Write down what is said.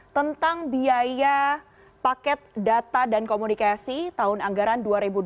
tentang biaya paket data dan komunikasi tahun anggaran dua ribu dua puluh